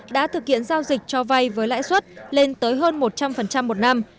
đã thực hiện giao dịch cho vay với lãi suất lên tới hơn một trăm linh một năm